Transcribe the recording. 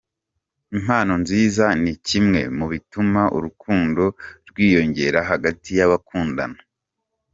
Impano nziza ni kimwe mu bituma urukundo rwiyongera hagati y'abakundana.